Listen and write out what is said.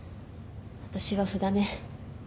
私は歩だね。